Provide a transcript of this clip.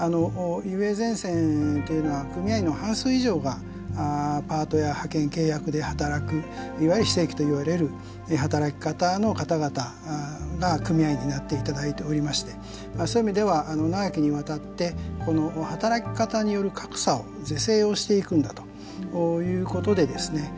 ＵＡゼンセンというのは組合員の半数以上がパートや派遣契約で働くいわゆる非正規といわれる働き方の方々が組合員になっていただいておりましてそういう意味では長きにわたって働き方による格差を是正をしていくんだということでですね